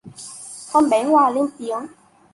Con bé Hòa lên tiếng